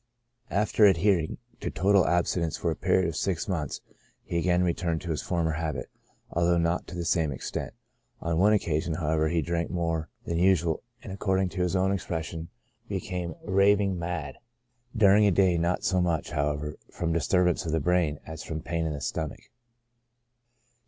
After adhering to total abstinence for a period of six 44 CHRONIC ALCOHOLISM. months, he again returned to his former habit, although not to the same extent. On one occasion, however, he drank more than usual, and, according to his own expression, " be came raving mad '* during a day, not so much, however, from disturbance of the brain as from pain in the stomach.